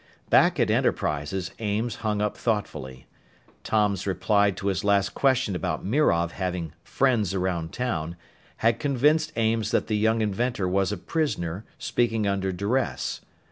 Back at Enterprises, Ames hung up thoughtfully. Tom's reply to his last question about Mirov having "friends around town" had convinced Ames that the young inventor was a prisoner, speaking under duress.